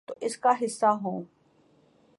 تو اس کا حصہ ہوں۔